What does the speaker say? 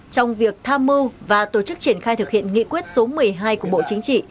trong việc tham mưu và tổ chức triển khai thực hiện nghị quyết số một mươi hai của bộ chính trị